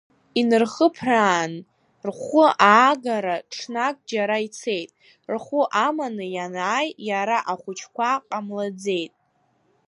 Инырхыԥраан, рхәы аагара ҽнак џьара ицеит, рхәы аманы ианааи иара, ахәыҷқәа ҟамлаӡеит!